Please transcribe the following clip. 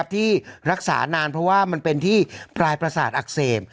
ที่รักษานานเพราะว่ามันเป็นที่ปลายประสาทอักเสบ